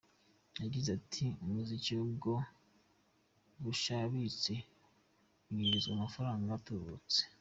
Yagize ati “Umuziki nibwo bushabitsi bunyinjiriza amafaranga atuburutse.